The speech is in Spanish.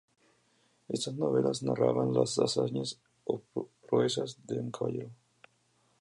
Estas novelas narraban las hazañas o proezas de un caballero.